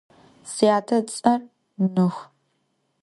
Syate ıts'er Nuh.